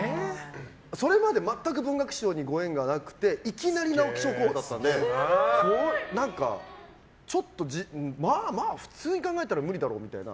それまで全く文学賞にご縁がなくていきなり直木賞候補だったのでちょっと、まあ普通に考えたら無理だろうみたいな。